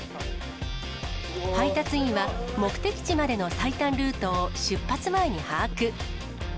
配達員は目的地までの最短ルートを出発前に把握。